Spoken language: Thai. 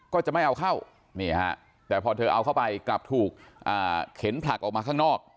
ก็จะไม่เอาเข้านี่ฮะแต่พอเธอเอาเข้าไปกลับถูกเข็นผลักออกมาข้างนอก